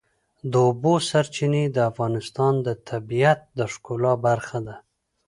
د اوبو سرچینې د افغانستان د طبیعت د ښکلا برخه ده.